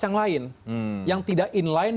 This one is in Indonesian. yang lain yang tidak in line